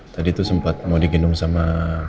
tadi tuh sempat mau digendung sama